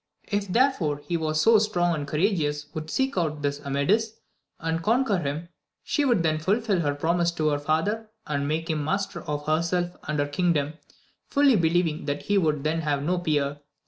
If therefore, he who was so strong and courageous would seek out this Amadis, and conquer him, she would then fulfil her promise to her father, and make him master of herself and her kingdom, fiiUy believing that he would then have no peer.